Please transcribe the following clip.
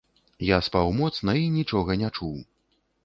Я спаў моцна і нічога не чуў.